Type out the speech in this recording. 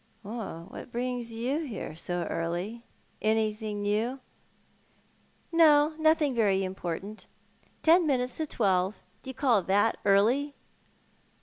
" What brings you here so early? Anything new ?"" Nothing very important. Ten minutes to twelve. Do you call that early